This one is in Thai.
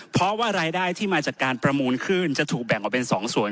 เพราะว่ารายได้ที่มาจากการประมูลขึ้นจะถูกแบ่งออกเป็น๒ส่วน